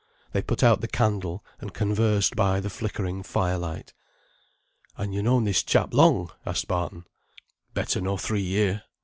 They put out the candle and conversed by the flickering fire light. "Han yo known this chap long?" asked Barton. "Better nor three year.